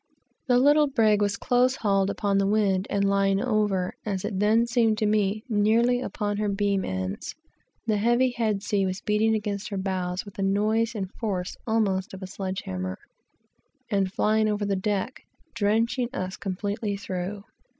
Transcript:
The little brig was close hauled upon the wind, and lying over, as it then seemed to me, nearly upon her beam ends. The heavy head sea was beating against her bows with the noise and force almost of a sledge hammer, and flying over the deck, drenching us completely through.